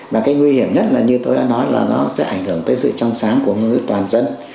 và cái nguy hiểm nhất là như tôi đã nói là nó sẽ ảnh hưởng tới sự trong sáng của ngôn ngữ toàn dân